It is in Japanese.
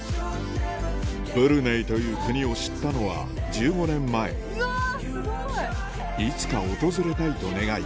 ブルネイという国を知ったのは１５年前いつか訪れたいと願い